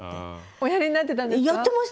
おやりになってたんですか？